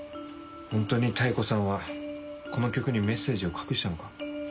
ホントに妙子さんはこの曲にメッセージを隠したのか？